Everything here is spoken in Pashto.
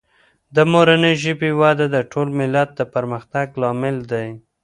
د مورنۍ ژبې وده د ټول ملت د پرمختګ لامل دی.